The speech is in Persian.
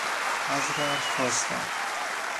از رنج کاستن